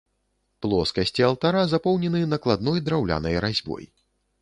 Плоскасці алтара запоўнены накладной драўлянай разьбой.